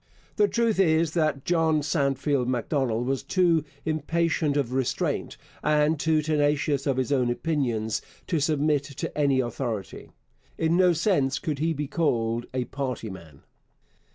The truth is that John Sandfield Macdonald was too impatient of restraint and too tenacious of his own opinions to submit to any authority. In no sense could he be called a party man.